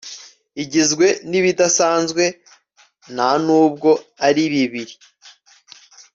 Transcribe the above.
Igizwe nibidasanzwe nta nubwo ari bibiri